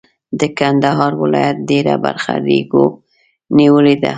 د کندهار ولایت ډېره برخه ریګو نیولې ده.